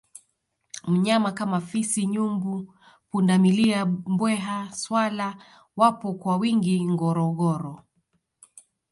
wanyama kama fisi nyumbu pundamilia mbweha swala wapo kwa wingi ngorongoro